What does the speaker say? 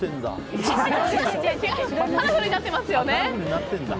カラフルになってますよね。